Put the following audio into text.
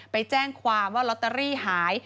ไปแจ้งความว่าลอตเตอรี่หาย